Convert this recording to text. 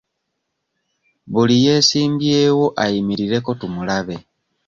Buli yeesimbyewo ayimirireko tumulabe.